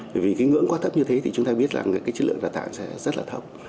bởi vì cái ngưỡng quá thấp như thế thì chúng ta biết rằng cái chất lượng đào tạo sẽ rất là thấp